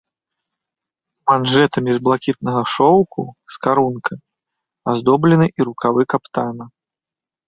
Манжэтамі з блакітнага шоўку з карункамі аздоблены і рукавы каптана.